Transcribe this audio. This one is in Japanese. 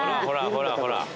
ほらほら。